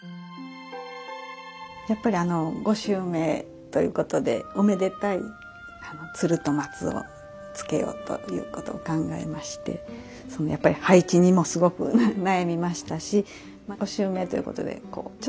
やっぱりあのご襲名ということでおめでたい鶴と松をつけようということを考えましてやっぱり配置にもすごく悩みましたしご襲名ということでこう